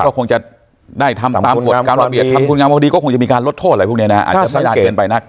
ก็คงจะได้ทำตามกฎตามระเบียบทำคุณงามพอดีก็คงจะมีการลดโทษอะไรพวกนี้นะอาจจะเสียดายเกินไปนัก